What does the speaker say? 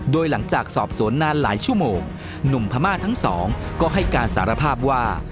โดยหลังจากสอบสวนนานหลายชั่วโมงหนุ่มพม่าทั้งสองก็ให้การสารภาพว่า